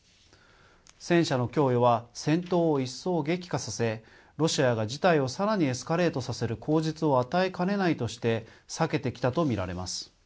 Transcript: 戦車の供与は戦闘を一層激化させ、ロシアが事態をさらにエスカレートさせる口実を与えかねないとして避けてきたと見られます。